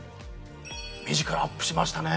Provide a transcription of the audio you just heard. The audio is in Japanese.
目力アップしましたね。